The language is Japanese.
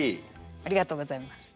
ありがとうございます。